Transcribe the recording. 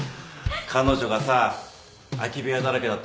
彼女がさ空き部屋だらけだった